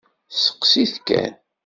Steqsit kan!